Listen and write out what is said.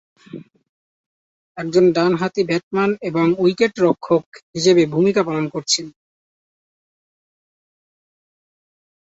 একজন ডান-হাতি ব্যাটসম্যান এবং উইকেটরক্ষক হিসেবে ভূমিকা পালন করছেন।